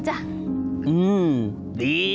ซ้ายขวาซ้าย